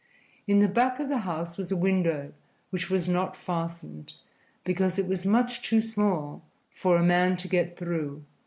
In the back of the house was a window, which was not fastened, because it was much too small for a man to get through.